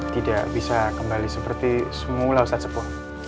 tidak bisa kembali seperti semula ustadz sepuh